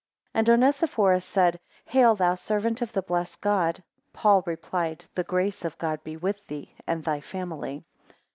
8 And Onesiphorus said: Hail, thou servant of the blessed God. Paul replied, The grace of God be with thee and thy family.